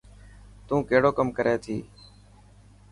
تون ڪهڙو ڪم ڪري ٿي.